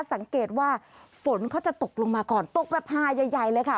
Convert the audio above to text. สังเกตว่าฝนเขาจะตกลงมาก่อนตกแบบหาใหญ่เลยค่ะ